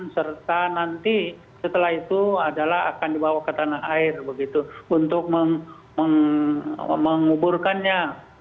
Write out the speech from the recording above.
serta nanti setelah itu adalah akan dibawa ke tanah air untuk menguburkannya